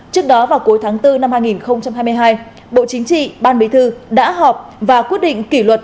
trước đó vào cuối tháng bốn năm hai nghìn hai mươi hai bộ chính trị ban bí thư đã họp và quyết định kỷ luật